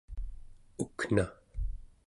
ukna